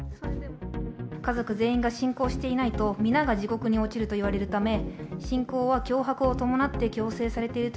家族全員が信仰していないと皆が地獄に落ちると言われるため、信仰は脅迫を伴って強制されている。